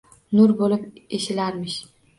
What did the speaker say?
Nur boʼlib eshilarman